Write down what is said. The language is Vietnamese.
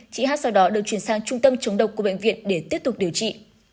chị hát sau đó được chuyển sang trung tâm chống độc của bệnh viện để tiếp tục điều trị